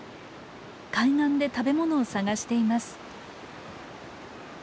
海岸で食べ物を探しています。